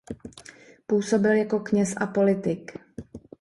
Působil jako kněz a politik.